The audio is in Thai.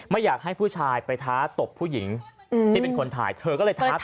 ไม่อยากให้ผู้ชายไปท้าตบผู้หญิงที่เป็นคนถ่ายเธอก็เลยท้า